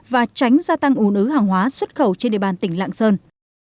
và tránh gia tăng ủ nữ hàng hóa xuất khẩu trên địa bàn tỉnh lạng sơn